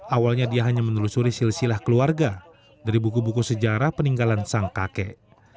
awalnya dia hanya menelusuri silsilah keluarga dari buku buku sejarah peninggalan sang kakek